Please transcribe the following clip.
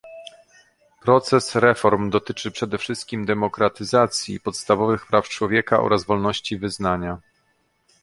Proces reform dotyczy przede wszystkim demokratyzacji, podstawowych praw człowieka oraz wolności wyznania